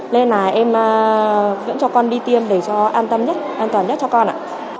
nên em vẫn cho con đi tiêm để cho an toàn nhất cho con ạ